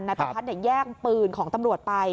ประพัทธ์แย่งปืนของตำรวจไป